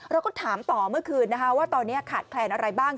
เราก็ถามต่อเมื่อคืนนะคะว่าตอนนี้ขาดแคลนอะไรบ้าง